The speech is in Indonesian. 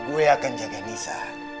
gue akan jaga nisa